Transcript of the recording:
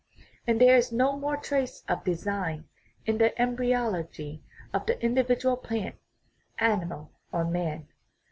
And there is no more trace of " design " in the embryology of the individual plant, animal, or man.